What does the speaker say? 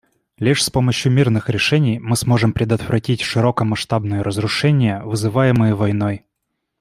Лишь с помощью мирных решений мы сможем предотвратить широкомасштабные разрушения, вызываемые войной.